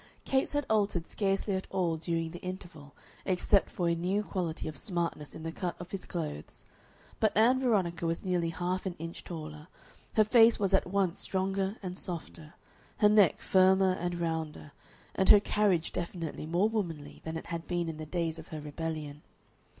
Capes had altered scarcely at all during the interval, except for a new quality of smartness in the cut of his clothes, but Ann Veronica was nearly half an inch taller; her face was at once stronger and softer, her neck firmer and rounder, and her carriage definitely more womanly than it had been in the days of her rebellion.